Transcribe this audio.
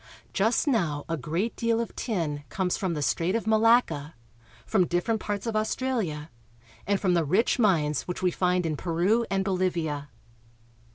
Just now a great deal of tin comes from the Strait of Malacca, from different parts of Australia, and from the rich mines which we find in Peru and Bolivia.